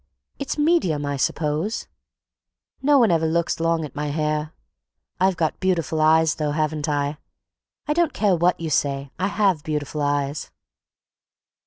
It's medium, I suppose—No one ever looks long at my hair. I've got beautiful eyes, though, haven't I. I don't care what you say, I have beautiful eyes."